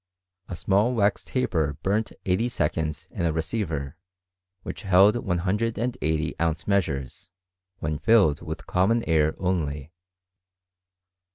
A small wax taper burnt eighty seconds in a receiver which held ISO ounce measures, when filled with common air only.